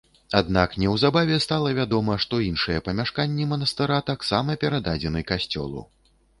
Аднак неўзабаве стала вядома, што іншыя памяшканні манастыра таксама перададзены касцёлу.